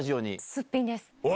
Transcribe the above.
すっぴんです。